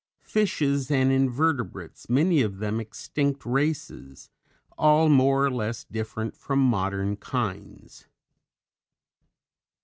FISHES and INVERTEBRATES many of them of extinct races, all more or less different from modern kinds.